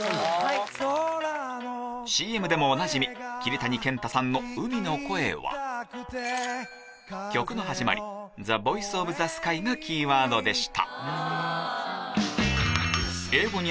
ＣＭ でもおなじみ桐谷健太さんの『海の声』は曲の始まり「Ｔｈｅｖｏｉｃｅｏｆｔｈｅｓｋｙ」がキーワードでした